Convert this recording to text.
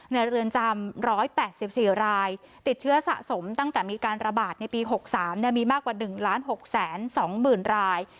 ในเรือนจำร้อยแปดสิบสี่รายติดเชื้อสะสมตั้งแต่มีการระบาดในปีหกสามเนี่ยมีมากกว่าหนึ่งล้านหกแสนสองหมื่นราย